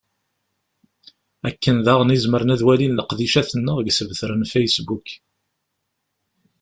Akken daɣen i zemren ad walin leqdicat-nneɣ deg usebtar n facebook.